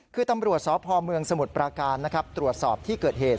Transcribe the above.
คือตำรวจสพเมืองสมุทรปราการนะครับตรวจสอบที่เกิดเหตุ